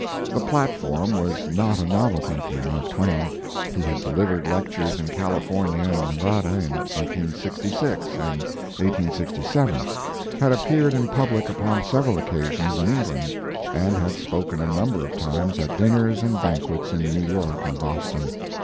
The platform was not a novelty to Mark Twain. He had delivered lectures in California and Nevada in 1866 and 1867, had appeared in public upon several occasions in Eng land, and had spoken a number of times at dinners and banquets in New York and Boston.